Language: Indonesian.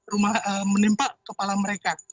rumah menimpa kepala mereka